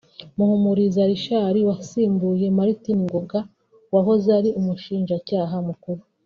Muhumuza Richard wasimbuye Martin Ngoga wahoze ari Umushinjacyaha Mukuru